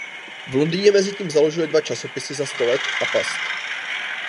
V Londýně mezitím založil dva časopisy ""Za sto let"" a ""Past"".